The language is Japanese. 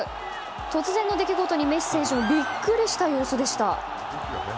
突然の出来事にメッシ選手もビックリした様子でした。